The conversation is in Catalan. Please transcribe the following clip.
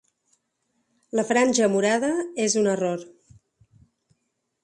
La franja morada és un error.